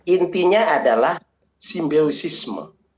intinya adalah simbiosisme